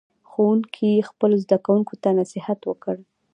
ښوونکي خپلو زده کوونکو ته نصیحت وکړ.